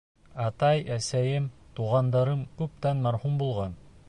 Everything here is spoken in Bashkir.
Атай-әсәйем, туғандарым күптән мәрхүм булған.